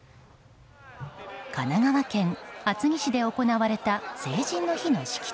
神奈川県厚木市で行われた成人の日の式典。